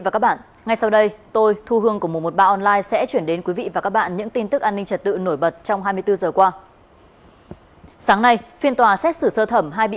cảm ơn các bạn đã theo dõi